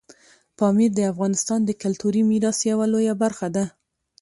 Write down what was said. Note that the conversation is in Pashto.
پامیر د افغانستان د کلتوري میراث یوه لویه برخه ده.